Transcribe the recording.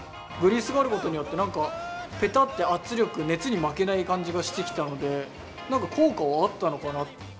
グリースがあることによって何か何かペタッて圧力熱に負けない感じがしてきたので何か効果はあったのかな。